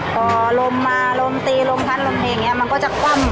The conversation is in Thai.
พอลมมาลมตีลมพัดลมเฮอย่างนี้มันก็จะคว่ำ